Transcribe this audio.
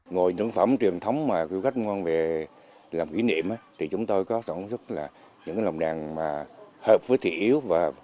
ngồi những sản phẩm truyền thống mà khuyên khách ngon về làm kỷ niệm thì chúng tôi có sản xuất những lồng đèn hợp với thị yếu